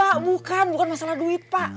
gak ada bukan bukan masalah duit pak